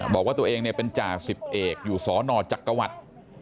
บอกว่าตัวเองเป็นจ่าสิบเอกอยู่สนจักรวรรดิ